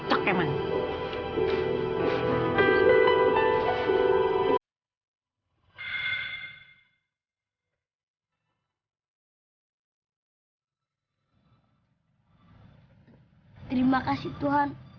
aku mau cari makan aku lapar